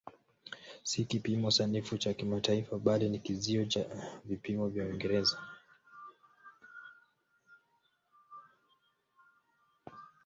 Si kipimo sanifu cha kimataifa bali ni kizio cha vipimo vya Uingereza.